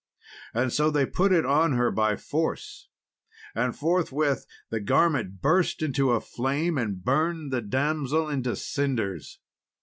And so they put it on her by force, and forthwith the garment burst into a flame and burned the damsel into cinders.